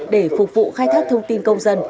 để phục vụ khai thác thông tin công dân